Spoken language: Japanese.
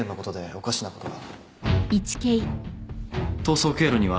おかしなこととは。